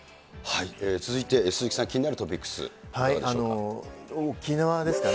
続いて鈴木さん、気になるトピックス、なんでしょうか。